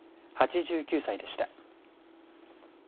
８９歳でした。